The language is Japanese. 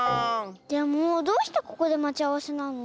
でもどうしてここでまちあわせなの？